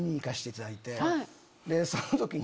その時に。